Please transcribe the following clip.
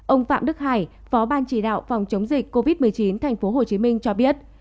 ông phạm đức hải phó ban chỉ đạo phòng chống dịch covid một mươi chín thành phố hồ chí minh cho biết